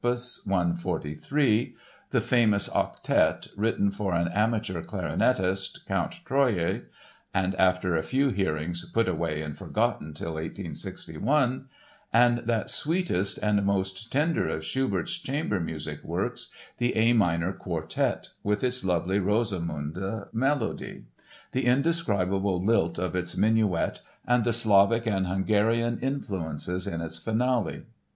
143; the fabulous Octet, written for an amateur clarinetist, Count Troyer (and after a few hearings put away and forgotten till 1861); and that sweetest and most tender of Schubert's chamber music works, the A minor Quartet, with its lovely Rosamunde melody, the indescribable lilt of its minuet and the Slavic and Hungarian influences in its finale.